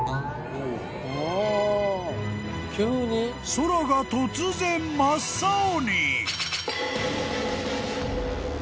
［空が突然真っ青に］